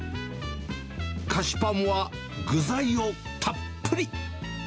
菓子パンは具材をたっぷり。